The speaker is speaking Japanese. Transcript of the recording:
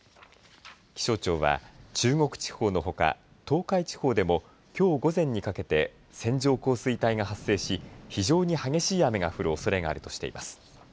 気象庁は中国地方のほか東海地方でもきょう午前にかけて線状降水帯が発生し非常に激しい雨が降るおそれがあるとしています。